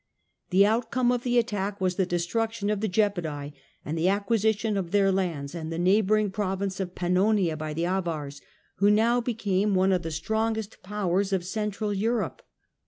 The outcome of the ittack was the destruction of the Gepidae, and the icquisition of their lands and the neighbouring province )f Pannonia by the Avars, who now became one of the strongest powers of Central Europe.